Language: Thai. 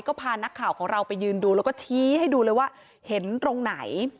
ก็พานักข่าวของเราไปยืนดูแล้วก็ชี้ให้ดูเลยว่าเห็นตรงไหน